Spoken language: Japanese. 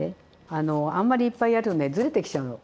あのあんまりいっぱいやるとねずれてきちゃうの。